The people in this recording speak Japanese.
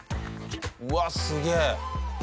うわすげえ。